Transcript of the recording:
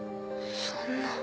そんな。